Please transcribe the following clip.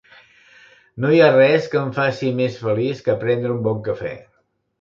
No hi ha res que em faci més feliç que prendre un bon cafè